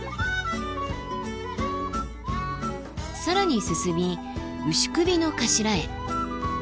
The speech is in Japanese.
更に進み牛首ノ頭へ。